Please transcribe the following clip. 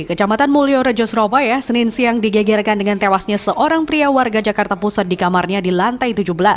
kecamatan mulyorejo surabaya senin siang digegerkan dengan tewasnya seorang pria warga jakarta pusat di kamarnya di lantai tujuh belas